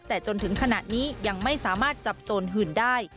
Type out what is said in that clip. แต่จนถึงขณะนี้ยังไม่สามารถจับโจรหื่นได้